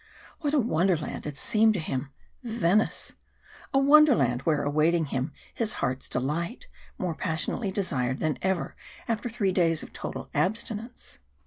What a wonderland it seemed to him, Venice! A wonderland where was awaiting him his heart's delight more passionately desired than ever after three days of total abstinence.